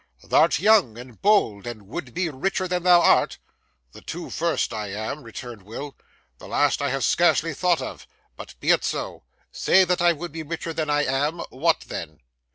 'Thou'rt young and bold, and wouldst be richer than thou art?' 'The two first I am,' returned Will. 'The last I have scarcely thought of. But be it so. Say that I would be richer than I am; what then?